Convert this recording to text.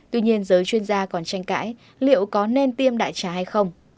tuy nhiên giới chuyên gia còn tranh cãi liệu có nên tiêm đại trà hay không